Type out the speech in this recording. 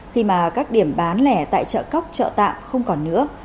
khi mà các điểm bán lẻ tại chợ cóc chợ tạm không còn nữa